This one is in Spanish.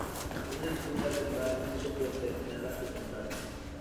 Una disputa con Garrick hizo que terminara su contrato.